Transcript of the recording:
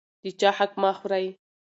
د چا حق مه خورئ.